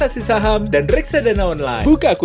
jadi apa yang kamu mau buat